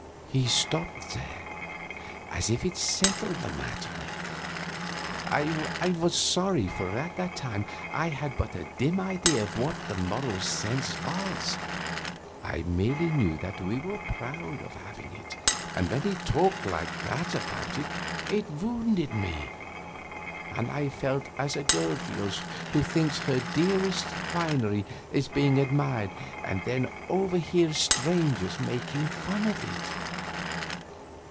He stopped there, as if that settled the matter. I was sorry, for at that time I had but a dim idea of what the Moral Sense was. I merely knew that we were proud of having it, and when he talked like that about it, it wounded me, and I felt as a girl feels who thinks her dearest finery is being admired and then overhears strangers making fun of it.